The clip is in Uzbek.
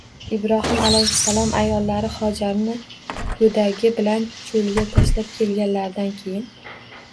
Ibrohim alayhissalom ayollari Hojarni go‘dagi bilan cho‘lga tashlab kelganlaridan keyin